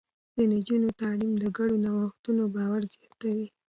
د نجونو تعليم د ګډو نوښتونو باور زياتوي.